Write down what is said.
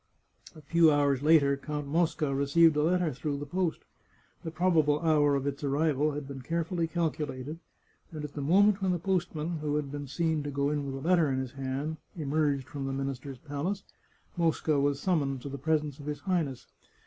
A few hours later Count Mosca received a letter through the post. The probable hour of its arrival had been care fully calculated, and at the moment when the postman, who had been seen to go in with a letter in his hand, emerged from the minister's palace, Mosca was summoned to the presence of his Highness.